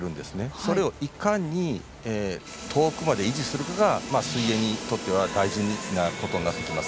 それをいかに遠くまで維持するかが水泳にとっては大事なことになってきます。